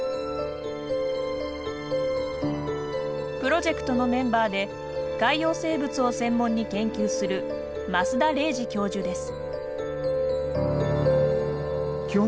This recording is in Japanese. プロジェクトのメンバーで海洋生物を専門に研究する益田玲爾教授です。